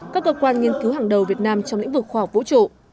các cơ quan nghiên cứu hàng đầu việt nam trong lĩnh vực khoa học vũ trụ